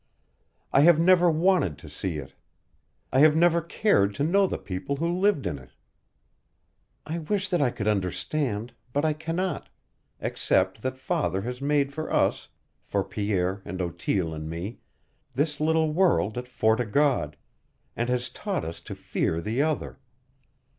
I have never wanted to see it. I have never cared to know the people who lived in it. I wish that I could understand, but I cannot; except that father has made for us, for Pierre and Otille and me, this little world at Fort o' God, and has taught us to fear the other.